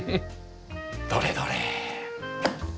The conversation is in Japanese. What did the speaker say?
どれどれ？